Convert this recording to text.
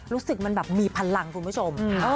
รู้สึกมันแบบมีพลังคุณผู้ชม